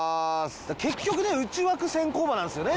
結局ね内枠先行馬なんですよね。